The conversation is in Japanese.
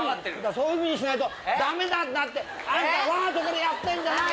そういうふうにしないと駄目なんだってあんたわざとこれやってんじゃない？